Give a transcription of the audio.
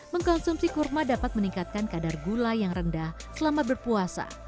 mengkonsumsi kurma dapat meningkatkan kadar gula yang rendah selama berpuasa